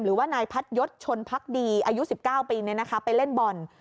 หรือว่านายพัดยศชนพักดีอายุ๑๙ปีไปเล่นบอล